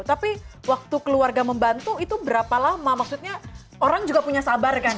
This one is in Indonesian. tapi waktu keluarga membantu itu berapa lama maksudnya orang juga punya sabar kan